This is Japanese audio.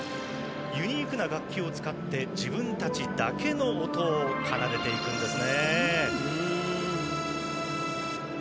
ユニークな楽器を使って自分たちだけの音を奏でていくんですね。